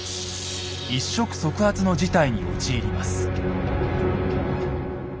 一触即発の事態に陥ります。